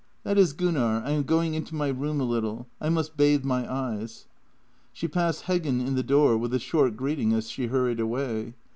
" That is Gunnar. I am going into my room a little. I must bathe my eyes." She passed Heggen in the door with a short greeting as she hurried away.